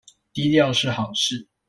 低調是好事